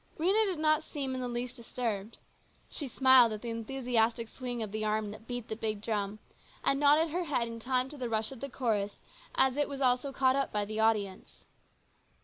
Rhena did not seem in the least disturbed. She smiled at the enthusiastic swing of the arm that beat the big drum, and nodded her head in time to the rush of the chorus as it was also caught up by the audience.